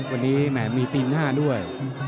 วันนี้แหมมีตีนหน้าด้วย